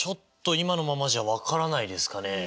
今のままじゃ分からないですかね。